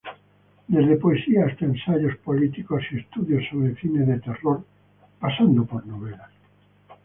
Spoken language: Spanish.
Desde poesia hasta ensayos políticos y estudios sobre cine de terror, pasando por novelas.